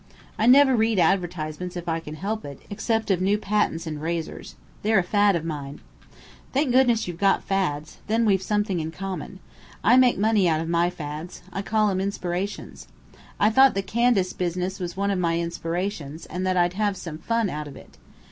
"I never read advertisements if I can help it, except of new patents in razors. They're a fad of mine." "Thank goodness you've got fads. Then we've something in common. I make money out of my fads. I call 'em inspirations. I thought the Candace business was one of my inspirations, and that I'd have some fun out of it.